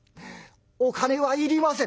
お金はいりません」。